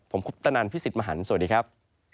ผมคุปตนันพี่สิทธิ์มหันฯสวัสดีครับ